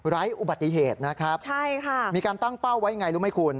ไร้อุบัติเหตุนะครับมีการตั้งเป้าไว้อย่างไรรู้ไหมคุณ